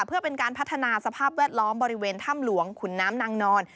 เพื่อเป็นการพัฒนาสภาพแวดล้อมบริเวณถ้ำหลวงขุนน้ำนางนอน